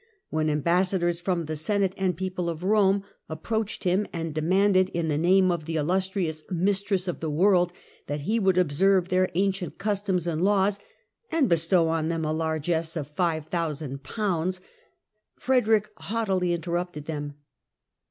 When ambassadors from the "Senate and People of Rome " approached him, and demanded in the name of the " illustrious mistress of the world " that he would observe their ancient customs and laws and bestow on them a largesse of 5000 pounds, Frederick haughtily interrupted them.